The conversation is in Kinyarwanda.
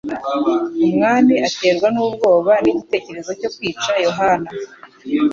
Umwami aterwa n'ubwoba n'igitekerezo cyo kwica Yohana.